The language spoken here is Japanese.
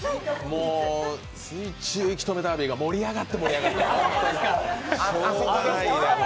もう、水中息止めダービーが盛り上がって盛り上がって。